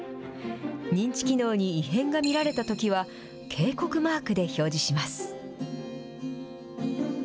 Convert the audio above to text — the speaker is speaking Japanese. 認知機能に異変が見られたときは、警告マークで表示します。